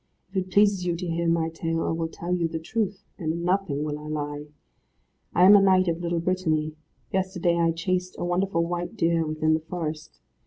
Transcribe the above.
If it pleases you to hear my tale I will tell you the truth, and in nothing will I lie. I am a knight of Little Brittany. Yesterday I chased a wonderful white deer within the forest.